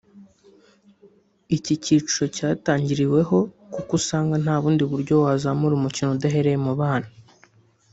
Iki cyiciro cyatangiriweho kuko usanga nta bundi buryo wazamura umukino udahereye mu bana